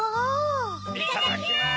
いただきます！